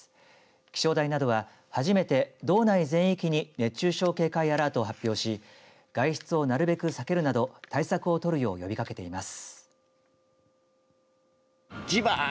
気象台などは初めて道内全域に熱中症警戒アラートを発表し外出をなるべく避けるなど対策を取るよう呼びかけています。